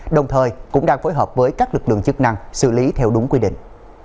đồng thời cũng đang phối hợp với các lực lượng chức năng xử lý theo đúng quy định